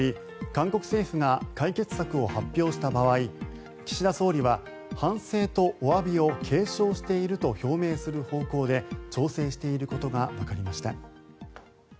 韓国政府が解決策を発表した場合岸田総理は反省とおわびを継承していると表明する方向で調整していることがわかりました。